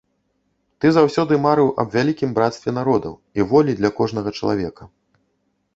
Ты заўсёды марыў аб вялікім брацтве народаў і волі для кожнага чалавека.